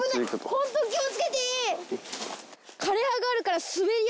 ホント気を付けて。